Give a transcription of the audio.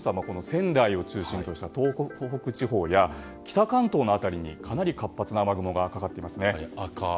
仙台を中心とした東北地方や北関東の辺りにかなり活発な雨雲がかかっていますね。